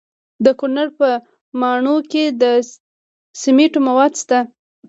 د کونړ په ماڼوګي کې د سمنټو مواد شته.